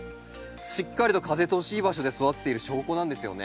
しっかりと風通しいい場所で育てている証拠なんですね。